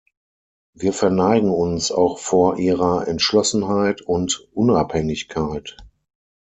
Wir verneigen uns auch vor ihrer Entschlossenheit und Unabhängigkeit.